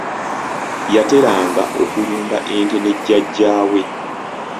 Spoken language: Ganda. Yateranga okulunda ente ne jjajja we.